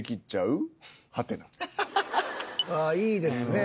いいですね